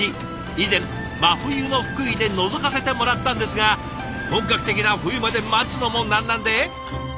以前真冬の福井でのぞかせてもらったんですが本格的な冬まで待つのもなんなんで。